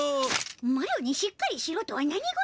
マロにしっかりしろとは何事！